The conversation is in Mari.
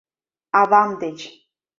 — Авам деч!